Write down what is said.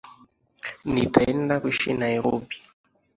Nitaenda kuishi Nairobi